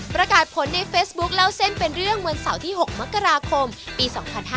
ประกาศผลในเฟซบุ๊คเล่าเส้นเป็นเรื่องวันเสาร์ที่๖มกราคมปี๒๕๕๙